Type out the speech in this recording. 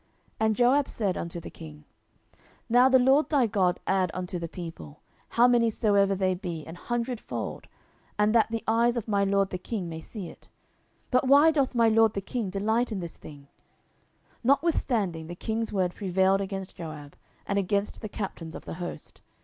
10:024:003 And Joab said unto the king, Now the LORD thy God add unto the people, how many soever they be, an hundredfold, and that the eyes of my lord the king may see it: but why doth my lord the king delight in this thing? 10:024:004 Notwithstanding the king's word prevailed against Joab, and against the captains of the host.